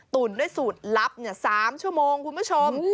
ตุ่นด้วยสูตรลับ๓ชั่วโมงคุณผู้ชม